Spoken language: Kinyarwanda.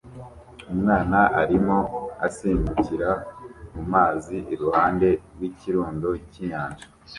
Umwana arimo asimbukira mu mazi iruhande rw'ikirundo cy'inyanja